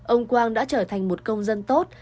ông quang đã trở thành một công dân tốt